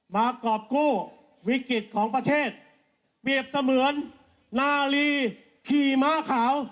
กรอบกู้วิกฤตของประเทศเปรียบเสมือนนาลีขี่ม้าขาว